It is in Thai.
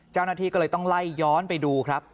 เจ้าหน้าที่ก็เลยต้องไล่ย้อนไปดูครับ